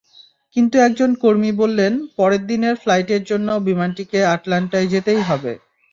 কিন্তু একজন কর্মী বললেন, পরের দিনের ফ্লাইটের জন্য বিমানটিকে আটলান্টায় যেতেই হবে।